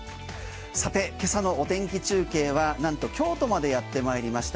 さて、今朝のお天気中継はなんと京都までやってまいりました。